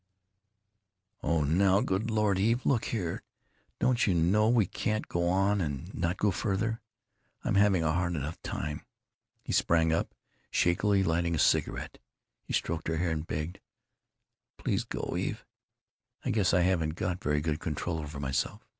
"Oh now, good Lord! Eve, look here: don't you know we can't go on and not go farther? I'm having a hard enough time——" He sprang up, shakily lighting a cigarette. He stroked her hair and begged: "Please go, Eve. I guess I haven't got very good control over myself.